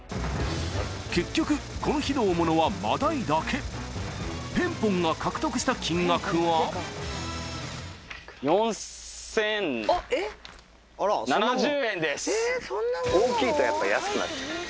結局この日の大物はマダイだけペンポンが獲得した金額は大きいとやっぱ安くなっちゃうんです。